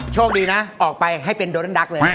โชคดีนะออกไปให้เป็นโดนัลดักเลย